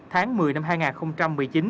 tháng một mươi năm hai nghìn một mươi chín